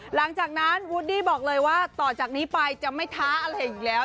หลังจากนั้นวูดดี้บอกเลยว่าต่อจากนี้ไปจะไม่ท้าอะไรอีกแล้ว